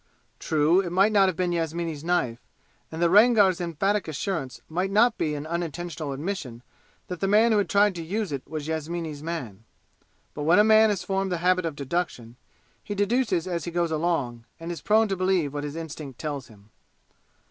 True, it might not be Yasmini's knife, and the Rangar's emphatic assurance might not be an unintentional admission that the man who had tried to use it was Yasmini's man. But when a man has formed the habit of deduction, he deduces as he goes along, and is prone to believe what his instinct tells him.